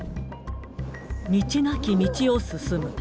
道なき道を進む。